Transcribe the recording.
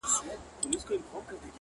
• ته هم چایې په توده غېږ کي نیولی؟,!